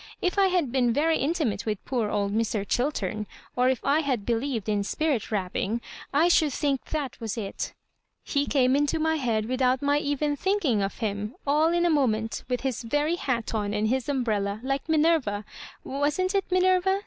If I had been very intimate with poor old Mr. Chiltem, or if I believed in spirit rapping, I should think that was it He came into my bead'without my e^en thinking of him, all in a moment with his very hat on and his umbrella, like Minerva ^wasn't it Minerva?"